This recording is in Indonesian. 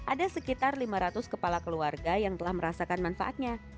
ada sekitar lima ratus kepala keluarga yang telah merasakan manfaatnya